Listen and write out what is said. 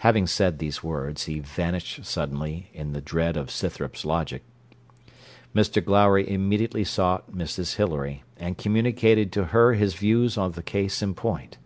Having said these words, he vanished suddenly, in the dread of Scythrop's logic. Mr Glowry immediately sought Mrs Hilary, and communicated to her his views of the case in point.